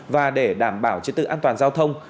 và để đảm bảo trật tự an toàn giao thông